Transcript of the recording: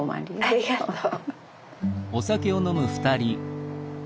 ありがとう。